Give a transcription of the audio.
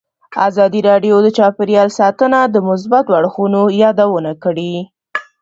ازادي راډیو د چاپیریال ساتنه د مثبتو اړخونو یادونه کړې.